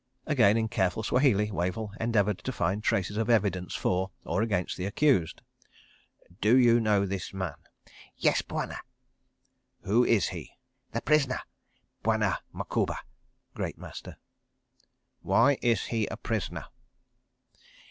Again, in careful Swahili, Wavell endeavoured to find traces of evidence for or against the accused. "Do you know this man?" "Yes, Bwana." "Who is he?" "The prisoner, Bwana Macouba (Great Master)." "Why is he a prisoner?"